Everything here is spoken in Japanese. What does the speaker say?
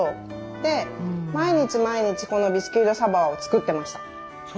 で毎日毎日このビスキュイ・ド・サヴォワを作ってました。